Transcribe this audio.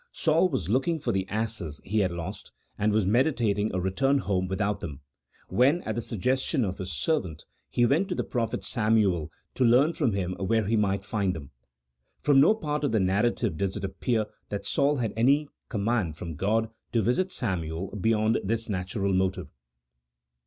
Saul was looking for the asses he had lost, and was meditating a return home with out them, when, at the suggestion of his servant, he went 90 A THEOLOGICO POLITICAL TREATISE. [CHAP. VI. to the prophet Samuel, to learn from him where he might find them. From no part of the narrative does it appear that Saul had any command from God to visit Samuel beyond this natural motive.